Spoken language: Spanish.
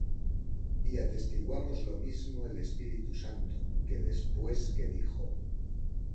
Y atestíguanos lo mismo el Espíritu Santo; que después que dijo: